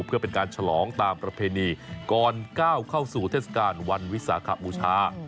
เพื่อเป็นการฉลองตามประเพณีก่อนก้าวเข้าสู่เทศกาลวันวิสาขบูชา